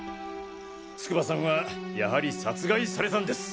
筑波さんはやはり殺害されたんです。